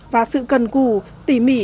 và sự cần củ tỉ mỉ